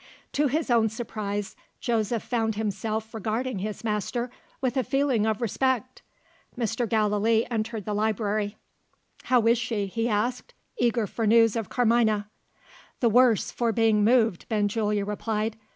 To his own surprise, Joseph found himself regarding his master with a feeling of respect. Mr. Gallilee entered the library. "How is she?" he asked, eager for news of Carmina. "The worse for being moved," Benjulia replied.